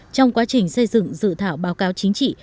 trong quá trình xây dựng dự thảo báo cáo chính trị